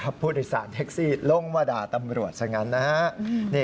ผู้โดยสารแท็กซี่ลงมาด่าตำรวจซะงั้นนะฮะ